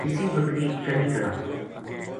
لِسی بکری کنی کراں